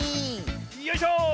よいしょ！